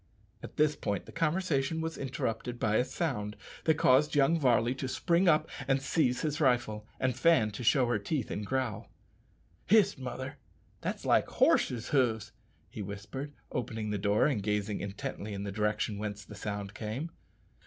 At this point the conversation was interrupted by a sound that caused young Varley to spring up and seize his rifle, and Fan to show her teeth and growl. "Hist, mother! that's like horses' hoofs," he whispered, opening the door and gazing intently in the direction whence the sound came.